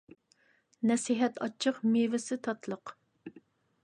نەسىھەت ئاچچىق، مېۋىسى تاتلىق.